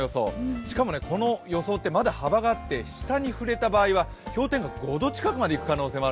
しかもこの予想ってまだ幅があって下に振れた場合は氷点下５度ぐらいまでいきそうで。